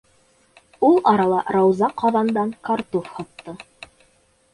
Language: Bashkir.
Ул арала Рауза ҡаҙандан картуф һоҫто.